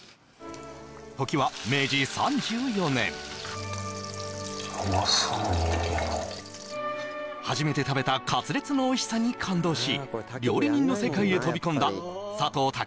時は明治３４年うまそうなにおいやのう初めて食べたカツレツのおいしさに感動し料理人の世界へ飛び込んだ佐藤健